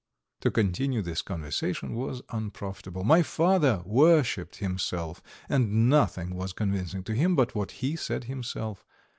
To continue this conversation was unprofitable. My father worshipped himself, and nothing was convincing to him but what he said himself.